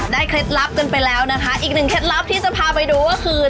เคล็ดลับกันไปแล้วนะคะอีกหนึ่งเคล็ดลับที่จะพาไปดูก็คือ